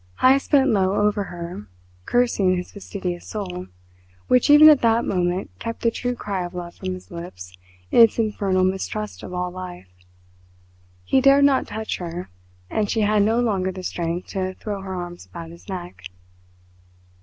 Heyst bent low over her, cursing his fastidious soul, which even at that moment kept the true cry of love from his lips in its infernal mistrust of all life. He dared not touch her and she had no longer the strength to throw her arms about his neck.